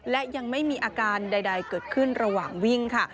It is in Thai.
และยังไม่มีอาการใดเกิดขึ้นระหว่างวิ่งค่ะ